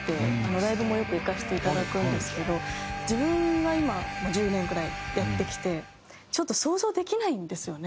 ライブもよく行かせていただくんですけど自分が今１０年ぐらいやってきてちょっと想像できないんですよね